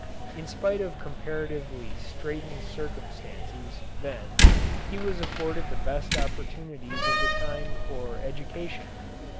In spite of comparatively straitened circumstances, then, he was afforded the best opportunities of the time for education.